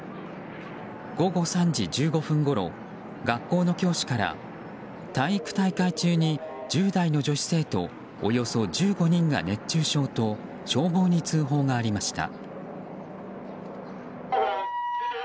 午後３時１５分ごろ学校の教師から体育大会中に、１０代の女子生徒およそ１５人が熱中症と消防に通報がありました。